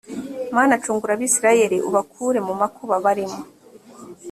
mana cungura abisirayeli ubakure mu makuba barimo.